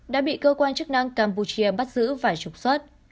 đã bị cơ quan chức năng campuchia bắt giữ và trục xuất